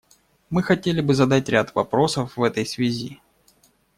Мы хотели бы задать ряд вопросов в этой связи.